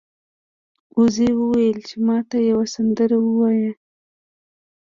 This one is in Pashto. وزې وویل چې ما ته یوه سندره ووایه.